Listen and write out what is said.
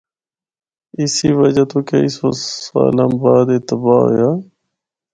اسی وجہ تو کئی سو سالاں بعد اے تباہ ہویا۔